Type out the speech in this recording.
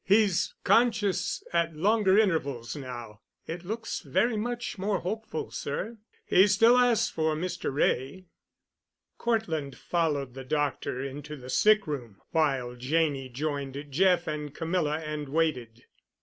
"He's conscious at longer intervals now. It looks very much more hopeful, sir. He still asks for Mr. Wray." Cortland followed the doctor into the sick room, while Janney joined Jeff and Camilla and waited.